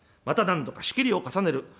また何度か仕切りを重ねる。